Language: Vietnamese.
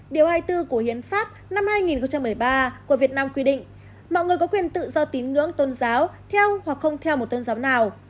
điều hai mươi bốn của hiến pháp năm hai nghìn một mươi ba của việt nam quy định mọi người có quyền tự do tín ngưỡng tôn giáo theo hoặc không theo một tôn giáo nào